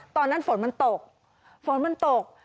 ตอนนั้นฝนมันตกฝนมันตก